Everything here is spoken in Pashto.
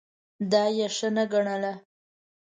دا یې ښه نه ګڼله.